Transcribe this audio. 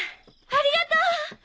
ありがとう！